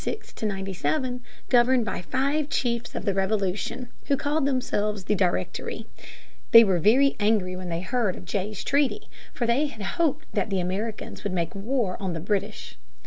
] 219. More Trouble with France. France was now (1796 97) governed by five chiefs of the Revolution, who called themselves "the Directory." They were very angry when they heard of Jay's Treaty (p. 168), for they had hoped that the Americans would make war on the British.